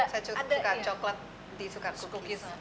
saya suka coklat di suka cookies